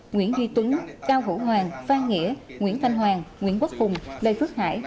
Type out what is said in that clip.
nguyễn duy tuấn cao hữu hoàng phan nghĩa nguyễn thanh hoàng nguyễn quốc hùng lê phước hải